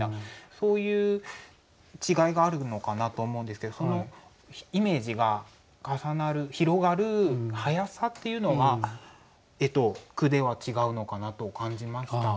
そういう違いがあるのかなとは思うんですけどそのイメージが重なる広がる早さっていうのは絵と句では違うのかなと感じました。